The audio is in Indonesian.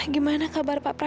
gimana kabar pak prabu